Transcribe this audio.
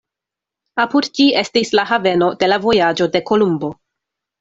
Apud ĝi estis la haveno de la vojaĝo de Kolumbo.